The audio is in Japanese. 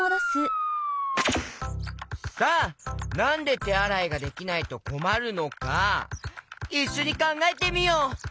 さあなんでてあらいができないとこまるのかいっしょにかんがえてみよう！